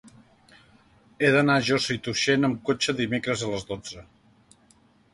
He d'anar a Josa i Tuixén amb cotxe dimecres a les dotze.